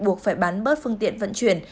buộc phải bán bớt phương tiện vận chuyển